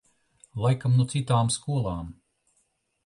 Laikam no citām skolām.